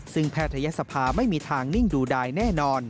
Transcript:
ซึ่งแพทยศภาไม่มีทางนิ่งดูดายแน่นอน